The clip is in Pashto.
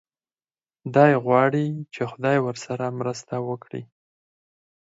دی غواړي چې خدای ورسره مرسته وکړي.